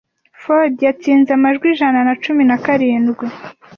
Ford yatsinze amajwi ijana na cumi na karindwi.